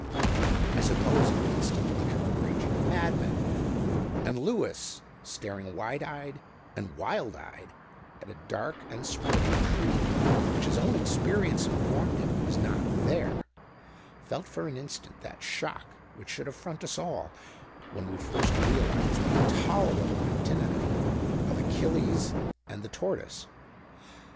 I suppose he would instantly become a raging madman; and Lewis, staring wide eyed and wild eyed at a dark and spreading tree which his own experience informed him was not there, felt for an instant that shock which should affront us all when we first realize the intolerable antinomy of Achilles and the Tortoise.